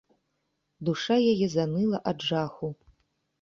Душа яе заныла ад жаху.